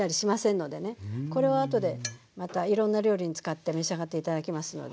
これをあとでまたいろんな料理に使って召し上がって頂きますので。